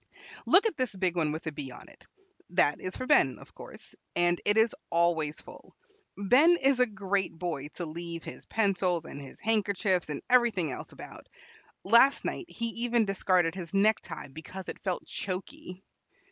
"Look at this big one with a B on it; that is for Ben, of course, and it is always full. Ben is a great boy to leave his pencils, and his handkerchiefs, and everything else about. Last night he even discarded his necktie because it felt choky.